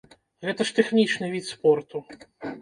Гэта ж тэхнічны від спорту!